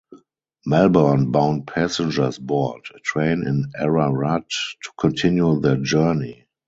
Melbourne bound passengers board a train in Ararat to continue their journey.